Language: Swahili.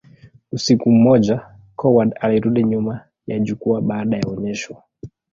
Usiku mmoja, Coward alirudi nyuma ya jukwaa baada ya onyesho.